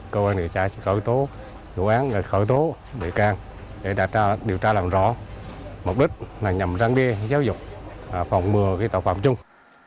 cơ quan điều tra sẽ khởi tố dự án khởi tố đề can để đạt ra điều tra làm rõ mục đích là nhằm răng bia giáo dục phòng mưa tạo phạm chung